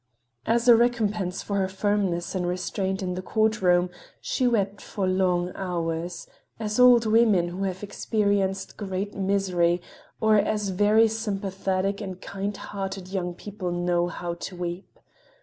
As a recompense for her firmness and restraint in the courtroom she wept for long hours, as old women who have experienced great misery, or as very sympathetic and kind hearted young people know how to weep.